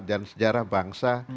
dan sejarah bangsa